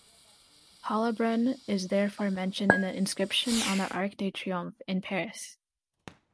Hollabrunn is therefore mentioned in the inscription on the Arc de Triomphe, in Paris.